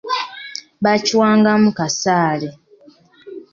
Bakiwanga mu kasaale.